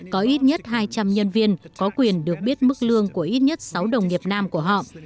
có ít nhất hai trăm linh nhân viên có quyền được biết mức lương của ít nhất sáu đồng nghiệp nam của họ